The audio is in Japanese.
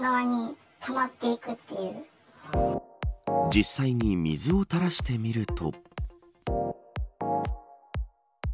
実際に水をたらしてみると。